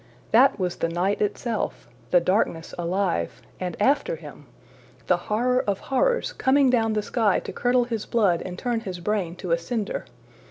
That was the night itself! the darkness alive and after him! the horror of horrors coming down the sky to curdle his blood and turn his brain to a cinder!